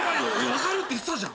分かるって言ってたじゃん。